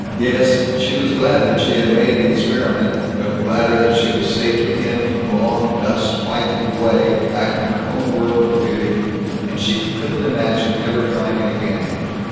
Yes, she was glad that she had made the experiment but gladder that she was safely in from the long dust whitened way, back in her own world of beauty; and she couldn't imagine ever trying it again.